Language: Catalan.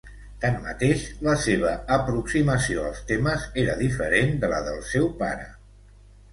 Tanmateix, la seva aproximació als temes era diferent de la del seu pare.